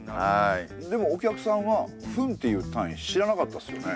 でもお客さんは「分」っていう単位知らなかったですよね。